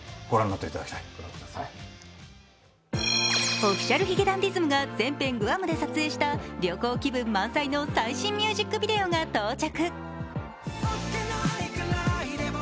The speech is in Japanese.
Ｏｆｆｉｃｉａｌ髭男ｄｉｓｍが全編グアムで撮影した旅行気分満載の最新ミュージックビデオが到着。